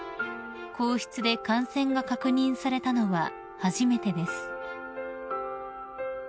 ［皇室で感染が確認されたのは初めてです］